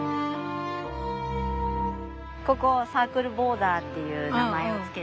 ここはサークルボーダーっていう名前を付けていて。